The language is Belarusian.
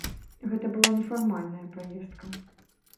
Гэта была нефармальная паездка.